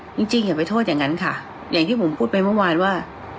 จริงจริงอย่าไปโทษอย่างนั้นค่ะอย่างที่ผมพูดไปเมื่อวานว่า